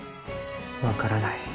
分からない。